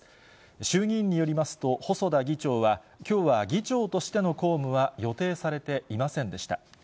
衆議院によりますと、細田議長は、きょうは議長としての公務は予定されていませんでした。